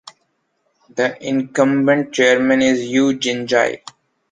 The incumbent chairman is Yu Jinji.